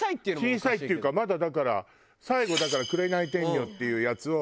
小さいっていうかまだだから最後だから紅天女っていうやつを。